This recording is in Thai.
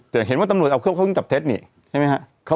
แต่เห็นว่าตำรวจเอาเครื่องจับเท็จนี่ใช่ไหมฮะ